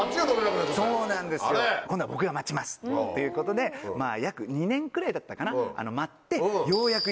そうなんですよ今度は僕が待ちますっていうことで約２年くらいだったかな待って。